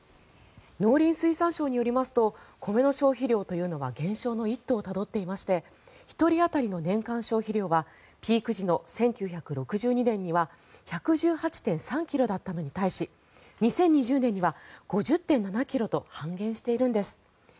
農林水産省によりますと米の消費量というのは減少の一途をたどっていまして１人当たりの年間消費量はピーク時の１９６２年には１１８．３ｋｇだったのに対し２０２０年には５０．７ｋｇと半減しているんです。